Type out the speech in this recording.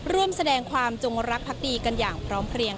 ร่วมแสดงความจงรักพักดีกันอย่างพร้อมเพลียง